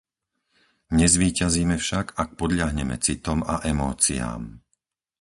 Nezvíťazíme však, ak podľahneme citom a emóciám.